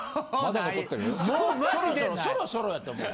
そろそろやと思う。